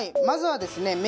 まずはですね